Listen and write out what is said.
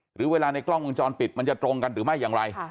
หรือเวลาในกล้องวงจรปิดมันจะตรงกันหรือไม่อย่างไร